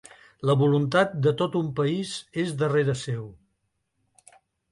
La voluntat de tot un país és darrere seu.